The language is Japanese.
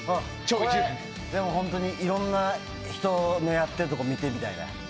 でも本当にいろいろな人がやっているところを見てみたいね。